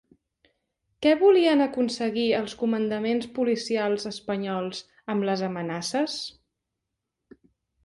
Què volien aconseguir els comandaments policials espanyols amb les amenaces?